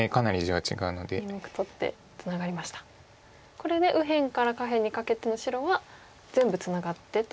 これで右辺から下辺にかけての白は全部ツナがってと。